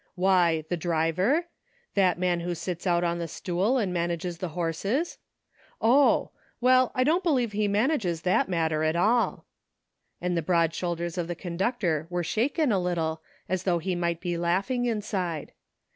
" Why, the driver? that man who sits out on the stool and manages the horses ? Oh ! well, I don't believe he manages that matter at all," and the broad shoulders of the conductor were shaken a little as though he might be laughing inside.